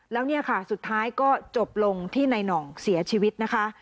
แล้วเนี่ยค่ะสุดท้ายก็จบลงที่ในหน่องเสียชีวิตนะคะ